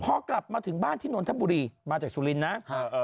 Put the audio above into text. พอกลับมาถึงบ้านที่นนทบุรีมาจากสุรินทร์นะ